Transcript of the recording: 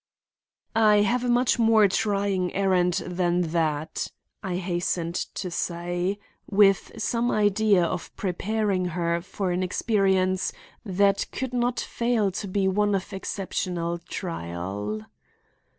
"I have a much more trying errand than that," I hastened to say, with some idea of preparing her for an experience that could not fail to be one of exceptional trial.